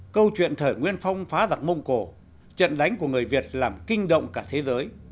câu chuyện thời nguyên phong phá giặc mông cổ trận đánh của người việt làm kinh động cả thế giới